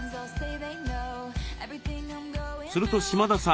すると島田さん